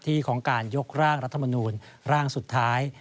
ของการยกร่างรัฐมนูลร่างสุดท้าย